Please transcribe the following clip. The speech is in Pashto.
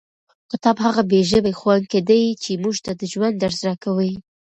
کتاب هغه بې ژبې ښوونکی دی چې موږ ته د ژوند درس راکوي.